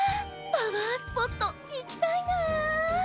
パワースポットいきたいなあ。